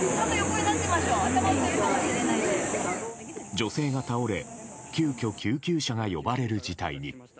女性が倒れ急きょ救急車が呼ばれる事態に。